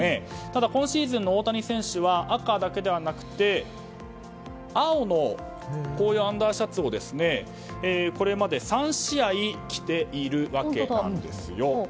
ただ今シーズンの大谷選手は赤だけではなくて青のアンダーシャツをこれまで３試合着ているわけです。